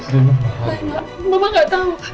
renda bapak gak tahu